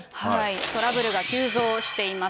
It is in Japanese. トラブルが急増しています。